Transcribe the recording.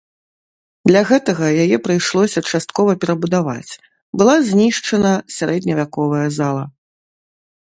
Для гэтага яе прыйшлося часткова перабудаваць, была знішчана сярэдневяковая зала.